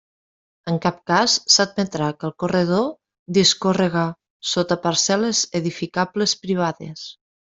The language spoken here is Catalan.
En cap cas s'admetrà que el corredor discórrega sota parcel·les edificables privades.